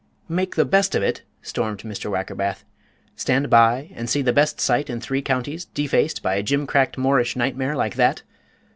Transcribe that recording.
"Make the best of it?" stormed Mr. Wackerbath. "Stand by and see the best site in three counties defaced by a jimcrack Moorish nightmare like that!